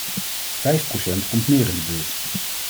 Vijf procent komt meer in de buurt.